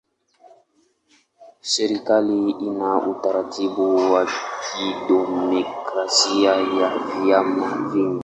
Serikali ina utaratibu wa kidemokrasia ya vyama vingi.